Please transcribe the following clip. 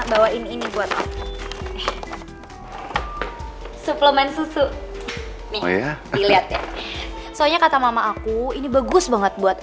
bawain ini buat aku suplemen susu nih dilihat ya soalnya kata mama aku ini bagus banget buat